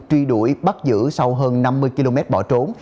truy đuổi bắt giữ sau hơn năm mươi km bỏ trốn